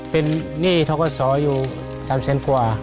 เป็นหนี้ท้องการสออยู่๓๐๐๐บาทกว่า